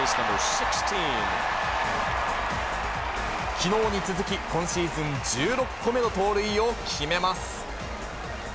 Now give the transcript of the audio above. きのうに続き、今シーズン１６個目の盗塁を決めます。